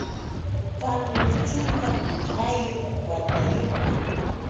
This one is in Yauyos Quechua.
Carlos chunka pichqayuq watayuqñam.